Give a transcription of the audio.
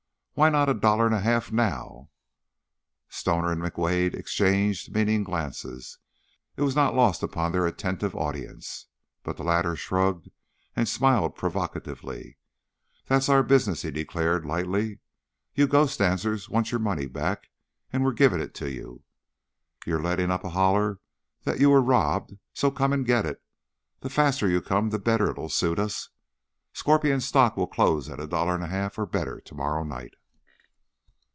Why not a dollar and a half now?" Stoner and McWade exchanged a meaning glance it was not lost upon their attentive audience but the latter shrugged and smiled provocatively. "That's our business," he declared, lightly. "You ghost dancers want your money back and we're giving it to you. You're letting up a holler that you were robbed, so come and get it. The faster you come the better it'll suit us. Scorpion stock will close at a dollar and a half or better to morrow night."